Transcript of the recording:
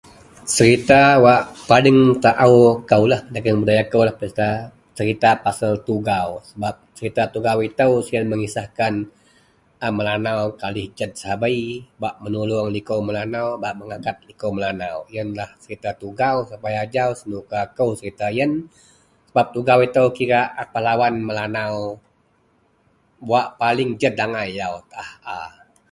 Serita wak paling taaokou dagen budayakoulah yenlah serita pasel Tugau sebap serita Tugau itou, siyen mengisahkan a Melanau kajih jed sabei bak menuluong likou Melanau bak mengangkat likou Melanau yenlah serita Tugau sampai ajau senuka kou serita yen sebap Tugau itou kira a pahlawan Melanau wak paling jed angai yau taah a